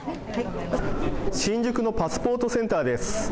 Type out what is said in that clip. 新宿のパスポートセンターです。